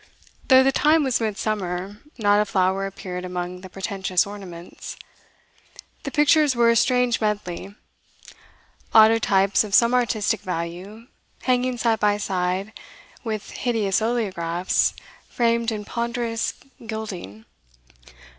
Though the time was midsummer, not a flower appeared among the pretentious ornaments. The pictures were a strange medley autotypes of some artistic value hanging side by side with hideous oleographs framed in ponderous gilding.